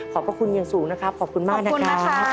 พระคุณอย่างสูงนะครับขอบคุณมากนะครับ